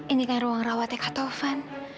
ini kan ruang rawatnya kak tovan